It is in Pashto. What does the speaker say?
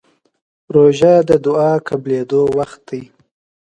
روژه د دعا قبولېدو وخت دی.